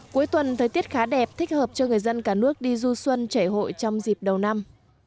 cuối tuần thời tiết khá đẹp thích hợp cho người dân cả nước đi du xuân chảy hội trong dịp đầu năm